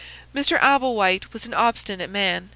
Mr. Abel White was an obstinate man.